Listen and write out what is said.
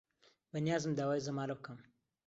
بەنیازم داوای زەمالە بکەم.